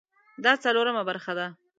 دا څلورمه برخه ده